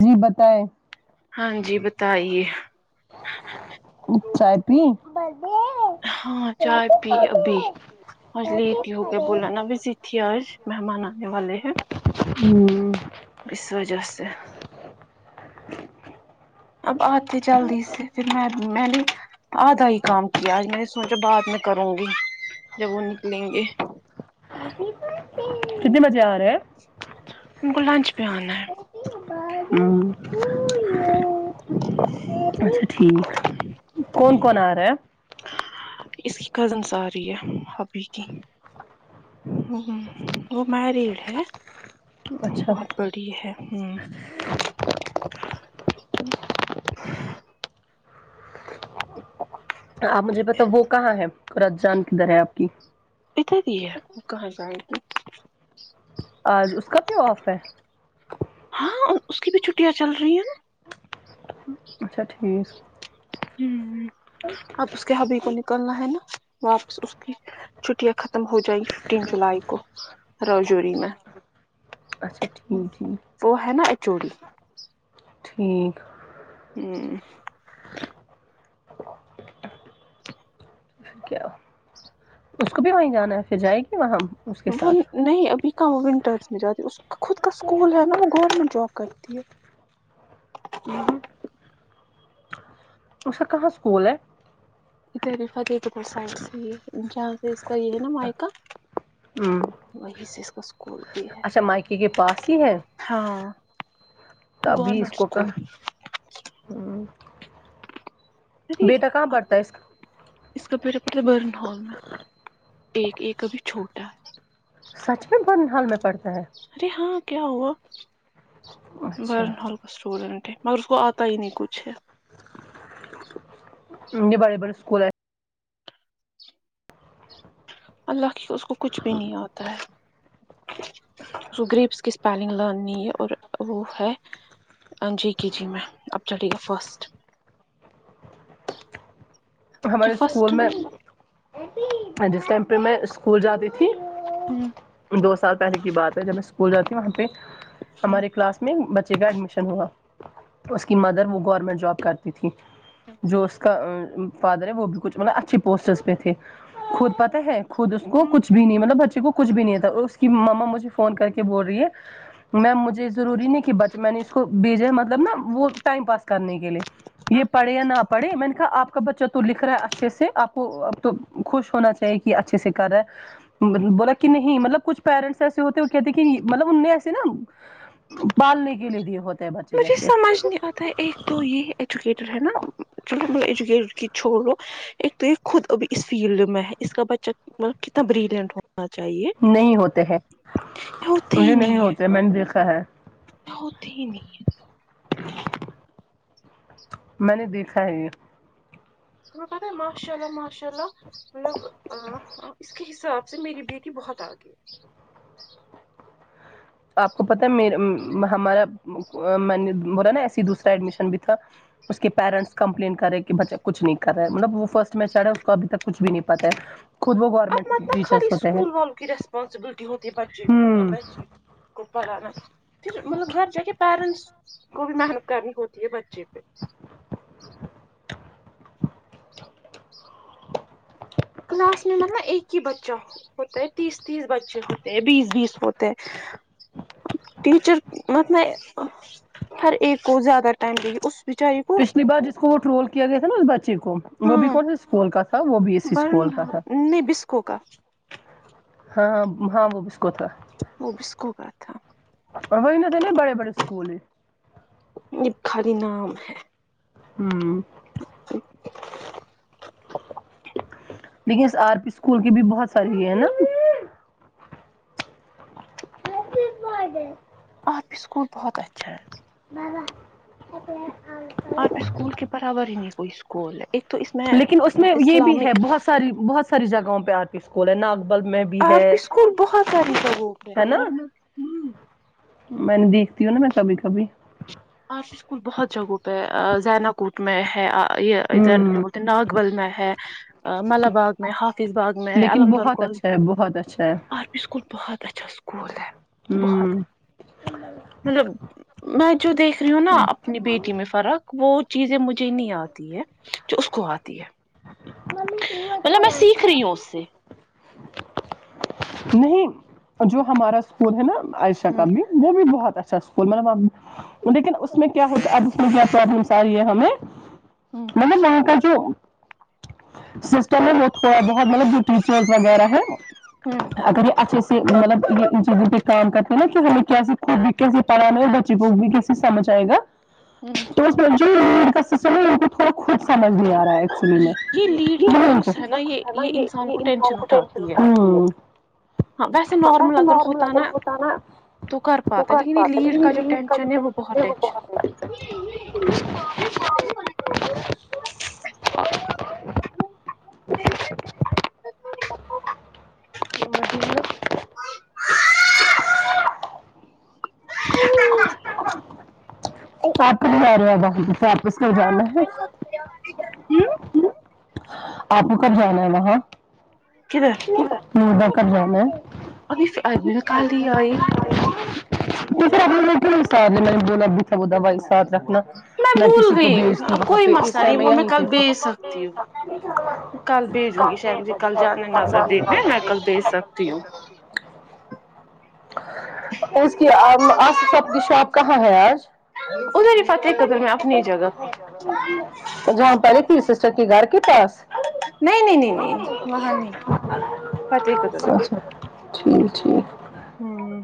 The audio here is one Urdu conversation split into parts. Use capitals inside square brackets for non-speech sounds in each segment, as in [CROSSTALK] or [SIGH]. جی بتائیں چائے پی [UNINTELLIGIBLE] آج لیٹی بولا نا بیزی تھی آج مہمان آنے والے ہیں ہوں اس وجہ سے اب آتے جلدی سے پھر میں میں نے آدھا ہی کام آج میں نے سوچا بعد میں کروں گی جب وہ نکلیں گے کتنے بجے آ رہے ہیں ان کو لنچ پہ آنا ہے اچھا ٹھیک کون کون آ رہا ہے اس کی کزنس آ رہی ہے بھابھی کی وہ مریڈ ہے بہت بڑی ہے [INAUDIBLE] آپ مجھے پتا وہ کہاں ہے رحجان کدھر ہے آپ کی اتھر ہی ہےوہ کہاں جائے گی آج اس کا کیوں آف ہے ہاں او اس کی بھی چھٹیاں چل رہی ہیں اچھا ٹھیک ہمم اب اس کے حببی کو نکلنا ہے نہ واپس اس کی چھٹیاں ختم ختم ہو جائے ففٹین جولائی کو رجری میں وہ ہے نا اچوڑی ٹھیک ہوں کیا اس کو بھی وہیں جانا ہے پھر جائے گی وہاں وہ نہیں ابھی کا وہ ونٹرس میں جاتے خود کا اسکول ہے نہ وہ گورنمنٹ جاب کرتی ہے اس کا کہاں اسکول ہے فھر سائڈ سے یہاں سے اس کا یہ ہے نہ میکہ ہوں وہی سے اس کا اسکول اچھا مائکی کے پاس ہی ہے ہاں ابھی اس کو کہ ہوں بیٹا کہاں بڑتا ہے اس اس کا بیٹا پڑتا برن ہال میں ایک ایک ابھی چھوٹا ہے سچ میں بن حال میں پڑتا ہے ارے ہاں کیا ہوا برنال اسٹوڈنٹ ہے مگر اس کو آتا ہی نہیں کچھ بڑے بڑے اسکول ہے اللہ کی اس کو کچھ بھی نہیں آتا ہے اس گریپس کی اسپیلنگ لرن نہیں ہے اور وہ ہے ا جی کی جی میں اب چڑے گ فرسٹ [INAUDIBLE] ہمارے اسکول میں جس ٹائم پہ میں اسکول جاتی تھی ہوں دو سال پہلے کی بات ہے جب میں اسکول جاتی وہاں پہ ہماراری کلاس میں بچے کا ایڈمیشن ہوا اس کی مدر وہ گورنمنٹ جاب کرتی تھی جو اس کا فادر ہے وہ بھی کچھ مطلب اچھی پوسٹز پہ تھے خود پتہ ہے خود اس کچھ بھی نہیں مطلب بچے کو کچھ بھی نہیں تھا اس کی ماما مجھے فون کر کے بول رہی ہے میم مجھے ضروری نہیں کہ بچ میں نے اس کو بھیجے مطلب نا وہ ٹائم پاس کرنے کے لیے یہ پڑے یا نہ پڑھے میں نے کہا آپ کا بچہ تو لکھ رہا ہے اچھے سے آپ کو اب تو خوش ہونا چاہیے کہ اچھے سے کر رہا ہے بولا کہ نہیں مطلب کچھ پیرنٹس ایسے ہوتے وہ کہتے کہ مطلب ان نے ایسے نا پالنے کے لیے دیے ہوتے ہیں بچے جیسے ایجوکیٹڈ ہے نا چلو ہم لو ایجوکیٹڈ کی چھوڑ لو ایک تو یہ خود اب اس فیلڈ میں ہے اس کا بچہ مطلب کتنا بریلینٹ ہو ہونا چاہیے ہوتے ہی نہیں ہے میں نے دیکھا ہے ہوتی ہی نہیں ہے میں نے دیکھا ہے تمہیں پتہ ہے ماشاء اللہ ماشاء اللہ مطلب اس کے حساب سے میری بیٹی بہت آگ [INAUDIBLE] آپ کو پتا میرے ہے ہمارا میں نے بولا نا ایس دوسرا ایڈمیشن بھی تھا اس کے پییرنٹس کمپلین کرے کہ بچے کچھ نہیں کر رہا مطلب وہ فسٹ می چڑ رہا اس کو اب تک کچھ بھی نہیں پتا ہے خود وہ گورنمنٹ ٹیچرس ہوتے ہیں ان کی ریسپانسبلٹی ہو بچے بچے کو پڑانا پھر مطلب گھر ج کیا کیا پرینٹس کو بھی محنت کرنی ہوتی ہے بچے پہ کلاس میں مطلب ایک ہی بچہ ہو ہوتے ہے تیس تیس بچے ہوتے ہیں بیس بیس ہوتے ہیں ٹیچر مطلب ہر ایک کو زیادہ ٹائم دیے اس پچھلی بار جس کو وہ ٹرول کیا گیا تھا نا اس بچے کو وہ بھی کون سا اسکول کا سر وہ بی ایس سی اسکول کا ہے ہوگا ہاں ہاں وہ بس کوت اور وہ تھے نہیں بڑے بڑے اسکول خالی نام ہے ہں لیکن اس آر پی اسکول کے بھی بہت ساری ہے نا [UNINTELLIGIBLE] آپ کے اسکول بہت اچھا ہے بابا آپ اسکول کے برابر ہی نہیں کوئی اسکول ایک تو اس میں اسلامک ساری بہت ساری جگہوں پہ آر پی اسکول ہے ناگبل میں آر پی اسکول بہت ساری جگو ہوتے ہے ورنہ میں نے دیکھتی ہوں نا میں کبھی کبھی آر سی اسکول بہت جگہوں پہ زین کوٹ میں ہے یہ ادھر کیا بولتے ہیں ناگبل میں ہے ملہ باغ میں حافظ باغ میں عمدارکل یہ اسکول بہت اچھا اسکول ہے بہت مطلب میں جو دیکھ رہی ہوں نا اپنی بیٹی میں فرق وہ چیزیں مجھے نہیں آتی ہے جو اس کو آتی ہے [UNINTELLIGIBLE] مطلب میں سیکھ رہی ہوں اس سے نہیں جو ہمارا اسکول ہے نا عائشہ کا بھی وہ بھی بہت اچھا اسکول مطلب لیکن اس میں کیا ہوتا اس کیا پرابلمس آ رہ ہے ہمیں مطلب وہاں کا جو سسٹم ہے وہ تھوڑا بہت مطلب جو ٹیچرس وغیرہ ہے اگر یہ اچھے مطلب یہ ان چیزوں پہ کام کرتے ہیں نا کہ ہمیں کیےود بھی کیسے پڑھانے اور بچے کو بھی کیسے سمجھ آئے گا ہ کا سم ان تھوڑا خود سمجھ نہیں آ رہا ہے ایکچولی میں کی بکس ہے نا یہ یہ انسان کو ٹینشن اٹھاتی ہے ہاں ویسے نارمل اگر ہوتا نا تو کر پاتا لیکن یہ لیڈ کا جو ٹینشن ہے وہ بہت ٹینشن [UNINTELLIGIBLE] م د [UNINTELLIGIBLE] آپ کو بولا رہا ہوگا [UNINTELLIGIBLE] آپ کو کب جانا ہے وہاں نوڈا کب جانا ہے ابھی اب کال نہیں ہی آئی [UNINTELLIGIBLE] رکھنا میں کسی کو بھیج دوں وہاں پہ اس ٹائم میں یہ پہ [UNINTELLIGIBLE] اس کی آ سب کی شاپ کہاں ہے آج ادھر ہی فتح قدر میں اپنی جگہ پ جو پہلی تھی سسٹر کے گھر کے پاس نہیں نہیں نہیں نہیں وہاں نہیں فتح قدل میں ٹھیک ٹھیک ہوں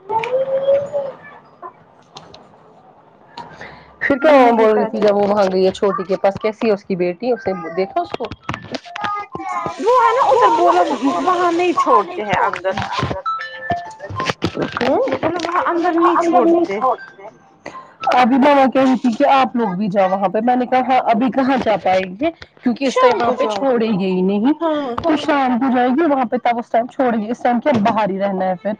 [UNINTELLIGIBLE] پھر کیا بول رہی تھی جب وہ وہاں گئی ہے چھوٹی کے پاس کیسی ہے اس کی بیٹی اس نے دیکھا اس کو [UNINTELLIGIBLE] [UNINTELLIGIBLE] ابھی ماما کہہ رہی تھی کہ آپ لوگ بھی جاؤ وہاں پہ میں نے کہاں ابھی کہاں جا پائے گے کیونکہ اس ٹائم وہاں پہ چھوڑے گئی نہیں اور شام کو جائے گی وہاں پہ تب اس ٹائم چھوڑے گی اس ٹائم باہر ہی رہنا ہے پھر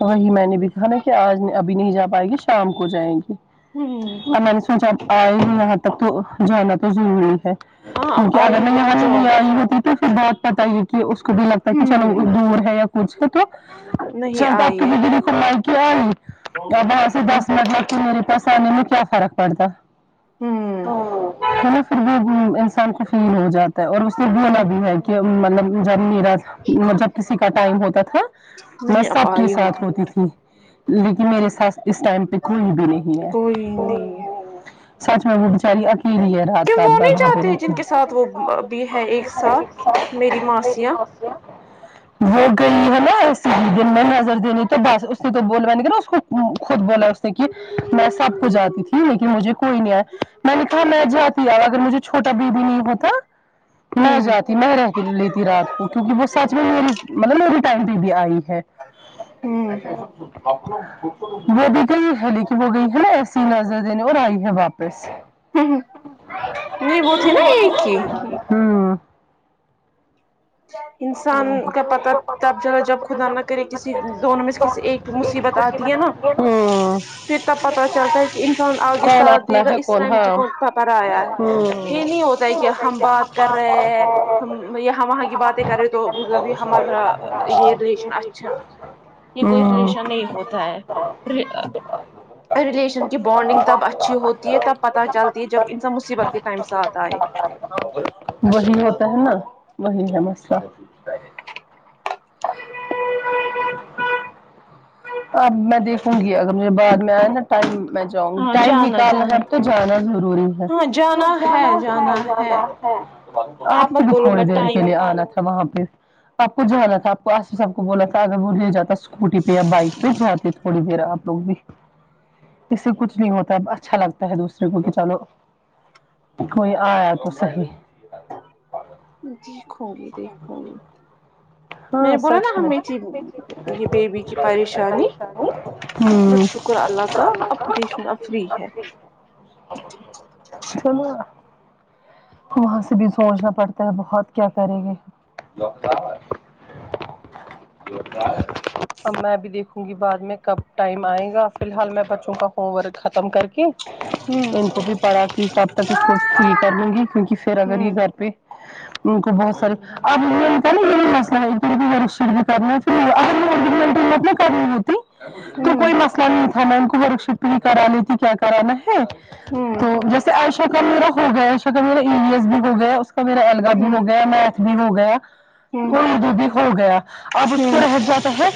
وہی میں نے بھی کہا نا کہ آج ابھی نہیں جا پائے گی شام کو جائیں گی ہوں ہم ہم نے سوچ آپ آئے گا یہاں تک تو جانا تو ضروری ہے [INAUDIBLE] تو پھر بہت پتا یہ کہ اس کو بھی لگتا ہے کہ چلو وہ دور ہے یا کچھ ہے تو [INAUDIBLE] اب وہاں سے دس منٹ لگتی میرے پیس آنے میں کیا فرق پڑتا تو پھر بھی انسان کو فیل ہو جاتا اور اس سے بولا بھی ہے کہ مطلب جبنی جب کسی کا ٹائم ہوتا تھا میں سب کے ساتھ ہوتی تھی لیکن میرے ساتھ اس ٹائم پہ کوئی بھی نہیں ہے سچ مے وہ بچاری اکیلی ہے رات رات بھر وہاں پہ رہتی وہ گئی ہے نا اسی دن میں نظر دینی تو بس اس نے تو بولو نہیں اس کو خود بولا کہ میں سب کو جاتی تھی لیکن مجھے کوئی نہیں آیا میں نے کہاں میں جاتی اب اگر مجھے چھوٹا بیبی بھی نہیں ہوتا میں جاتی میں رہ لیتی رات کیونکے وہ سچ میں ما مطلب میرے ٹائم پہ بھی آئی ہے [UNINTELLIGIBLE] وہ بھی گئی ہے لیکن وہ گئی ہے نا ایسی علازہ دینے اور آئی ہے واپس نہیں وہ تھے نا ایک ہی ہمم انسان کا پتا تب جلا جب خدا نہ کرے کسی دونوں میں سے کسی ایک مصیبت آتی ہے نا پھر تب پتہ چلتا ہے کہ انسان آگے ساتھ گا اس ٹائم کوپر آیا ہے یہ نہیں ہوتا ہے کہ ہم بات کر رہے ہیں ہم یہاں وہاں کی باتیں کرے تو مطلب یہ ہمارا یہ ریلیشن اچھا یہ کوئی رلیشن نہیں ہوتا ہے ریلیشن کی بانڈنگ تب اچھی ہوتی ہے تب پت چلتی ہے جب انسان مصیبت کے ٹائم ساتھ آے وہی ہوتا ہے نا وہی ہے مثلا [INAUDIBLE] اب میں دیکھوں گی اگر مجھے بعد میں آئے نا ٹائم میں جاؤں گی ٹائم نکالنا ہے اب تو جانا ضروری ہے جانا ہے جانا ہے آپ کو بھی تھوڑی دیر کے لیے آنا تھا وہاں آپ کو جانا تھا آپ کو آ سب کو بولا تھا اگر وہ لے جاتا اسکوٹی پہ یا بائک بھیج جاتی تھوڑی دیر آپ لوگ بھی اس سے کچھ نہیں ہوتا اچھا لگتا ہے دوسرے کو کہ چلو کوئی آیا تو سہی دیکھوں گی دیکھوں گی [UNINTELLIGIBLE] [INAUDIBLE] چولو وہاں سے بھی سوچنا پڑتا ہے بہت کیا کریں گے اب میں بی دیکھوں گی بعد میں کب ٹائم آئے گا فی الحال میں بچوں کا ہوم ورک ختم کر کے ان کو بھی پڑا کی تب تک اس کو فری کر لوں گی کیونکہ پھر اگر یہ گھر پہ ان کو بہت سارے [UNINTELLIGIBLE] تو کوئی مسئلہ نہیں تھا میں ان کو ورکشپٹ بھی کرا لیی تھی کیا کرانا ہے تو جیسے عائشہ کا میرا ہو گیا عائشہ کا میرا ای اوس بھی ہو گیا اس کا میرا ایلگا بھی ہو گیا میتھ بھی ہو گیا وہ اردو بھی ہو گیا اب اس کو رہ جاتا ہے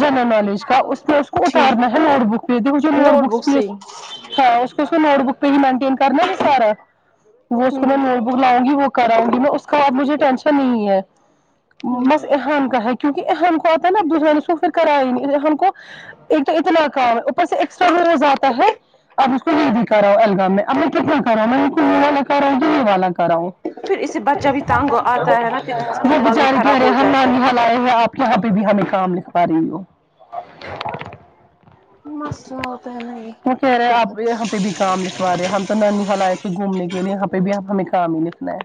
جنرل نالج کا اس میں اس کو اتارنا ہے نوٹ بک پہ دیکھو جو نوٹ بکس پہ ہاں اس کو اس کو نوٹ بک پہ بھی مینٹین کرنا ہے سارا وہ اس کو میں نوٹ بک لاؤ گی وہ کراؤں گی میں اس کا بعد مجھے ٹینشن نہیں ہے بس احان کا ہے کیونکہ اہن کو آتا ہے نا ادزان کو پھر کرا ہی نہیں ان کو ایک تو اتنا کام ہے اوپر سے ایکسٹرا روز آتا ہے اب اس کو نہیں دکھاوں الگام میں اب میں کت دکھا ہ میں کراوں ج والا کراؤوں وو بیچارے کہ رہے ہے ہم نانی آئے ہیں آپ یہاں پہ بھی ہمیں کام لکھ پا رہی ہو [INAUDIBLE] وہ کہہ رہے آپ پہ بھی کام لکھوا رہے ہو ہم تو نانی ہلت گھومنے کے لیے یہاں پہ بھی ہم ہمیں کام ہی لتنا ہے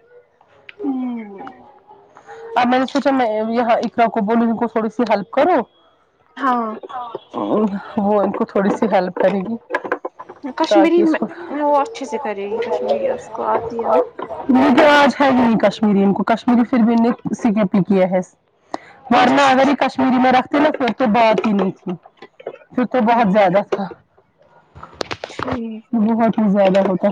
اب میں نے سوچا میں یہاں کو بول ان کو تھوڑی سی ہیلپ کرو وہ کو تھوڑی سی ہیل کرے گی کشمیری میں وہ اچھے سے کرے گی کشمیری اس کو آتی ہے لیک آج ہے بھی نہیں کشمیری ان کو کشمیری پھر بھی ان [UNINTELLIGIBLE] ورنہ اگر یہ کشمیری میں رکھتے نا پھر تو بات ہی نہیں تھی پھر تو بہت زیادہ تھا بہت ہی زیادہ ہوتا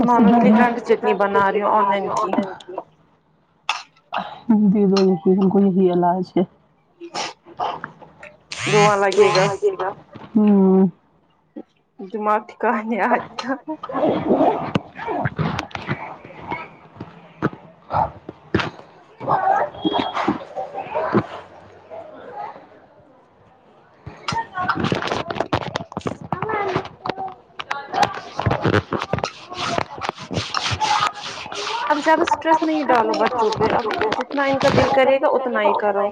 اس بنا رہی [INAUDIBLE] دے دو یہی ان کو یہی علاج ہے دعا لگےگا دماغ ٹکانے آ کیا [INAUDIBLE] اب زیادہ اسٹریس نہیں ڈالو بچوں پہ اب جتنا ان کا دل کرے گا اتنا ہی کرو